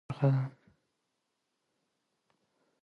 رسوب د افغانستان د انرژۍ سکتور یوه ډېره مهمه برخه ده.